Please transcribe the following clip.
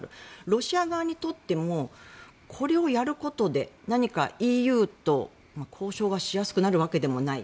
ロシア側にとってもこれをやることで何かＥＵと交渉がしやすくなるわけでもない。